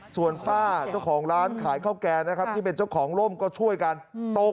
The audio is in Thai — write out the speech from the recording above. ส่วนป้าเจ้าของร้านขายข้าวแกงนะครับที่เป็นเจ้าของร่มก็ช่วยกันตก